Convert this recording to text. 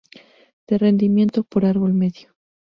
De rendimiento por árbol medio.